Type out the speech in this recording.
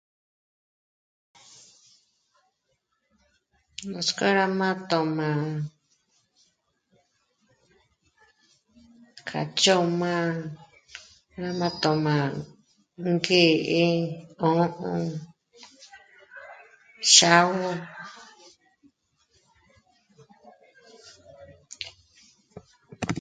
Nutska rá má tóma ká chòma rá má tóma ngě'e 'ò'o xágu